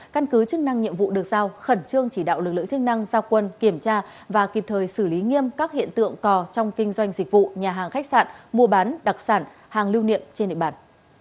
căn cứ chức năng nhiệm vụ được giao khẩn trương chỉ đạo lực lượng chức năng giao quân kiểm tra và kịp thời xử lý nghiêm các hiện tượng cò trong kinh doanh dịch vụ nhà hàng khách sạn mua bán đặc sản hàng lưu niệm trên địa bàn